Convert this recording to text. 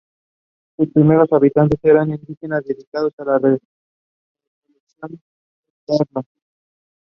He was also an editor of "Medieval English Theatre".